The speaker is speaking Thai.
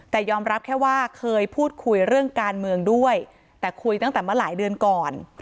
แต่ยอมรับแค่ว่าเคยพูดคุยเรื่องการเมืองด้วยแต่คุยตั้งแต่เมื่อหลายเดือนก่อน